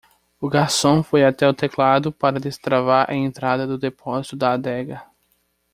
O garçom foi até o teclado para destravar a entrada do depósito da adega.